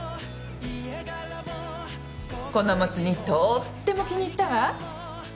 このもつ煮とーっても気に入ったわ。